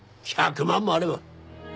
１００万もあれば。